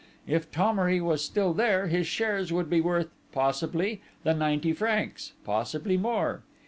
If Thomery was still there, his shares would be worth, possibly, the ninety francs, possibly more.